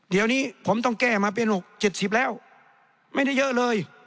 เดี๋ยวนี้ผมต้องแก้มาเป็น๖๗๐แล้วไม่ได้เยอะเลย